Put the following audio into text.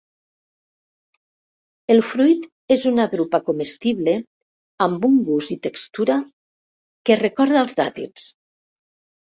El fruit és una drupa comestible amb un gust i textura que recorda els dàtils.